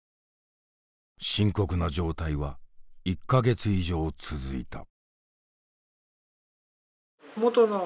深刻な状態は１か月以上続いた。